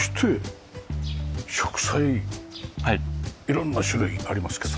色んな種類ありますけど。